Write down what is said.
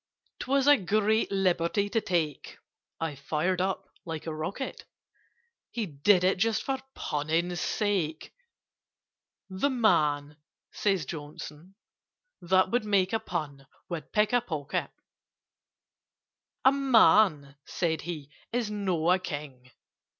"'Twas a great liberty to take!" (I fired up like a rocket). "He did it just for punning's sake: 'The man,' says Johnson, 'that would make A pun, would pick a pocket!'" "A man," said he, "is not a King."